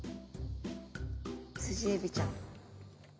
スジエビちゃん。